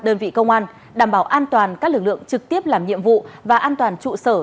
đơn vị công an đảm bảo an toàn các lực lượng trực tiếp làm nhiệm vụ và an toàn trụ sở